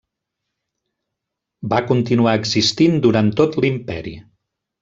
Va continuar existint durant tot l'Imperi.